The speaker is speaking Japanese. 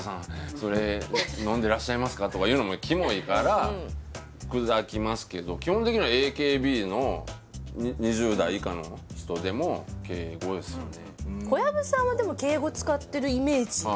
それ飲んでらっしゃいますかとか言うのもキモいからくだきますけど基本的にはＡＫＢの２０代以下の人でも敬語ですよね